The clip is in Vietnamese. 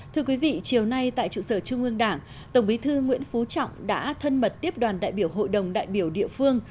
thưa quý vị chiều nay tại trụ sở trung ương đảng tổng bí thư nguyễn phú trọng đã thân mật tiếp đoàn đại biểu hội đồng đại biểu địa phương